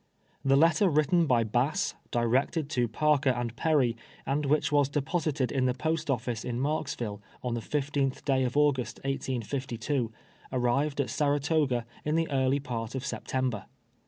^ The letter written by Bass, directed to Parker and Perry, and which was de230sited in the post ofhce in Marksville on the 15th day of August, 1852, arrived at Saratoga in the early part of September.